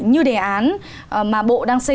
như đề án mà bộ đang xử lý